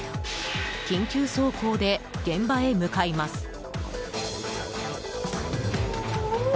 緊急走行で現場へ向かいます。